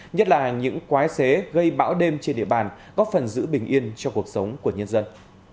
nhất là những quái xế gây bão đêm trên địa bàn góp phần giữ bình yên cho cuộc sống của nhân dân